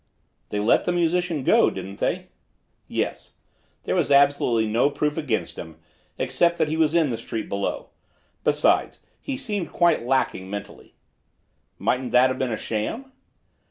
"They let the musician go, didn't they?" "Yes. There was absolutely no proof against him, except that he was in the street below. Besides, he seemed quite lacking mentally." "Mightn't that have been a sham?"